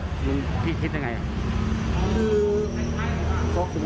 พี่คิดยังไงคือผมเข้าใจนะว่ามันมอบโมโหอืม